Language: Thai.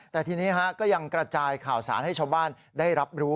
แต่ทีนี้ก็ยังกระจายข่าวสารให้ชาวบ้านได้รับรู้